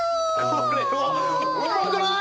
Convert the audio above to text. これはウマくない？